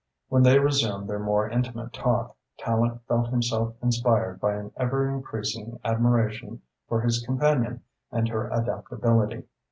When they resumed their more intimate talk, Tallente felt himself inspired by an ever increasing admiration for his companion and her adaptability.